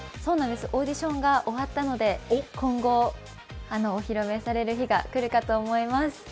オーデイションが終わったので今後お披露目される日が来るかと思います。